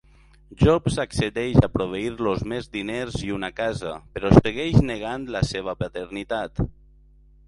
Jobs accedeix a proveir-los més diners i una casa, però segueix negant la seva paternitat.